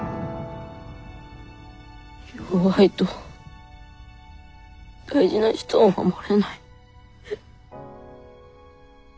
弱いと大事な人を守れない。